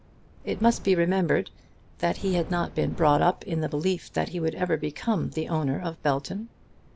It must be remembered that he had not been brought up in the belief that he would ever become the owner of Belton.